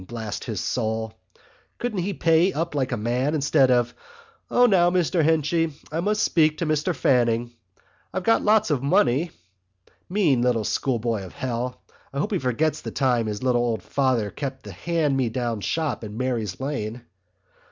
Blast his soul! Couldn't he pay up like a man instead of: 'O, now, Mr Henchy, I must speak to Mr Fanning.... I've spent a lot of money'? Mean little shoeboy of hell! I suppose he forgets the time his little old father kept the hand me down shop in Mary's Lane."